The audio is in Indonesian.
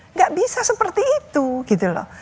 nggak bisa seperti itu gitu loh